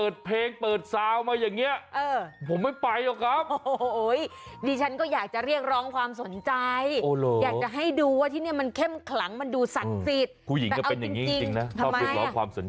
โดยเฉพาะใครที่รู้สึกต้มแห่งชีวิตการงาน